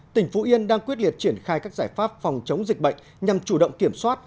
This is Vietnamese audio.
tỉnh phú yên đang quyết liệt triển khai các giải pháp phòng chống dịch bệnh nhằm chủ động kiểm soát